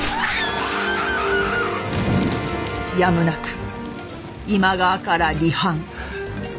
やむなく今川から離反。